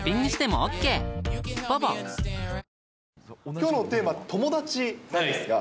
きょうのテーマ、友達なんですが。